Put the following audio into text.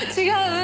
違う！